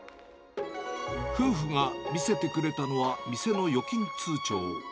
夫婦が見せてくれたのは、店の預金通帳。